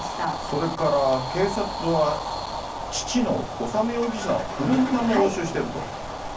それから、警察は父の修容疑者の車も押収してると？